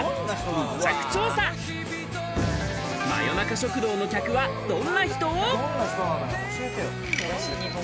密着調査真夜中食堂の客はどんな人？